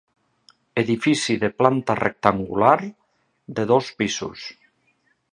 Edifici de planta rectangular de dos pisos.